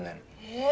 え